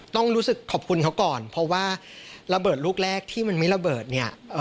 ต้องรู้สึกขอบคุณเขาก่อนเพราะว่าระเบิดลูกแรกที่มันไม่ระเบิดเนี่ย